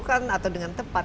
atau dengan tepat